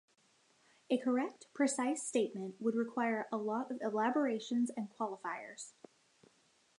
A correct, precise statement would require a lot of elaborations and qualifiers.